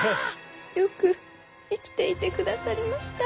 よく生きていてくださりました。